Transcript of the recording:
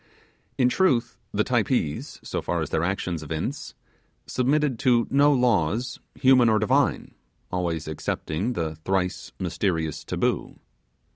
In truth, the Typees, so far as their actions evince, submitted to no laws human or divine always excepting the thrice mysterious Taboo.